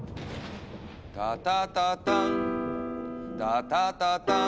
「タタタターンタタタターン」」